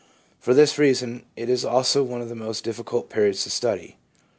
For this reason it is also one of the most difficult periods to study.